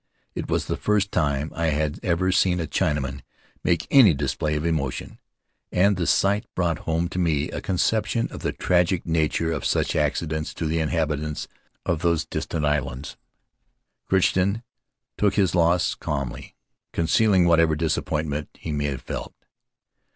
It was the first time I had ever seen a China man make any display of emotion, and the sight brought home to me a conception of the tragic nature of such accidents to the inhabitants of those distant islands. Crichton took his own loss calmly, concealing what ever disappointment he may have felt.